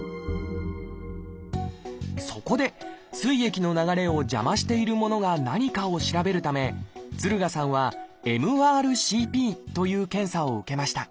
そこで膵液の流れを邪魔しているものが何かを調べるため敦賀さんは「ＭＲＣＰ」という検査を受けました。